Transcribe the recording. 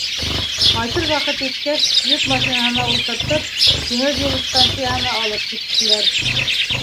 Ҡайтыр ваҡыт еткәс, йөк машинаһына ултыртып, тимер юл станцияһына алып киттеләр.